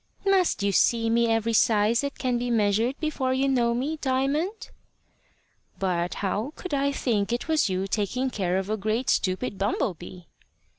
"Must you see me every size that can be measured before you know me, Diamond?" "But how could I think it was you taking care of a great stupid bumble bee?"